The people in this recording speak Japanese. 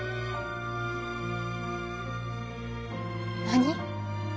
何？